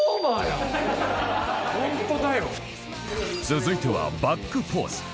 続いてはバックポーズ